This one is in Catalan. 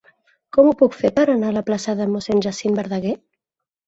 Com ho puc fer per anar a la plaça de Mossèn Jacint Verdaguer?